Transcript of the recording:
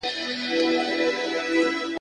په وار وار د دې خبري يادونه کېږي